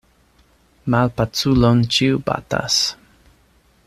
Malpaculon ĉiu batas.